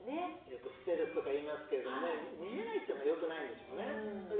よくステルスともいいますけど見えないっていうのが印象が良くないんでしょうね。